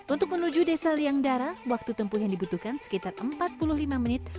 untuk menuju desa liangdara waktu tempuh yang dibutuhkan sekitar empat puluh lima menit